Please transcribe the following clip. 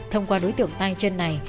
thông qua đối tượng tay chân này